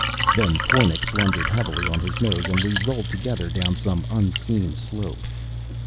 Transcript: Then Pornic blundered heavily on his nose, and we rolled together down some unseen slope.